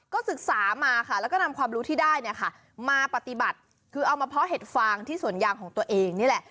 ก็ศึกษามาค่ะแล้วก็นำความรู้ที่ได้เนี่ยค่ะมาปฏิบัติคือเอามาเพาะเห็ดฟางที่สวนยางของตัวเองนี่แหละ